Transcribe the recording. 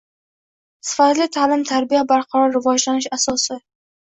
Sifatli ta’lim-tarbiya — barqaror rivojlanish asosing